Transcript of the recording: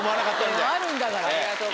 でもあるんだから。